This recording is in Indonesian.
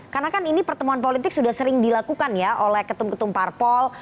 karena kan ini pertemuan politik sudah sering dilakukan ya oleh ketum ketum parpol